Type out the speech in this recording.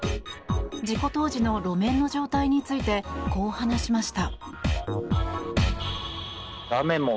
事故当時の路面の状態についてこう話しました。